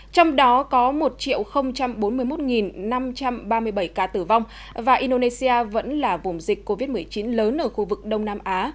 trong đó có một bốn mươi một năm trăm ba mươi bảy ca tử vong và indonesia vẫn là vùng dịch covid một mươi chín lớn ở khu vực đông nam á